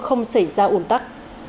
không xảy ra ổn tắc